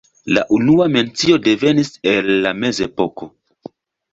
La unua mencio devenis el la mezepoko.